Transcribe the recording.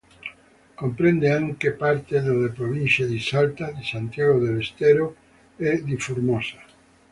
Comprende anche parte delle province di Salta, di Santiago del Estero e di Formosa.